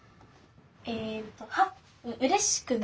えっとうれしくなる。